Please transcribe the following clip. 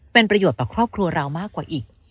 เป็นประโยชน์ต่อครอบครัวเรามากกว่าอีก